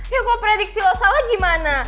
ya kok prediksi lo salah gimana